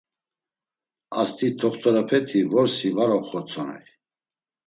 Ast̆i t̆oxt̆orepeti vorsi var oxvotzoney.